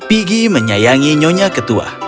piggy menyayangi nyonya ketua